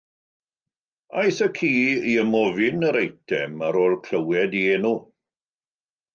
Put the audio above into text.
Aeth y ci i ymofyn yr eitem ar ôl clywed ei enw.